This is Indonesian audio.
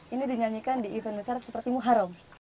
ini dinyanyikan di event besar seperti muharram